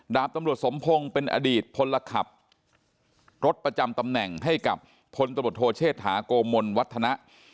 ดาบตำรวจสมพงศ์เป็นอดีตพลขับรถประจำตำแหน่งให้กับพลตำรวจโทเชษฐาโกมลวัฒนะ